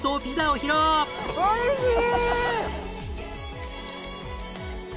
おいしい！